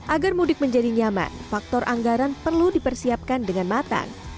agar mudik menjadi nyaman faktor anggaran perlu dipersiapkan dengan matang